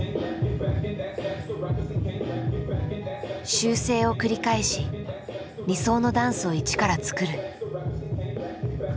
修正を繰り返し理想のダンスを一から作る。